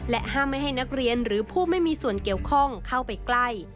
ห้ามไม่ให้นักเรียนหรือผู้ไม่มีส่วนเกี่ยวข้องเข้าไปใกล้